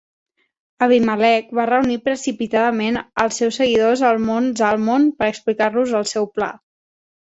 Abimelec va reunir precipitadament als seus seguidors al mont Zalmon per explicar-los el seu pla.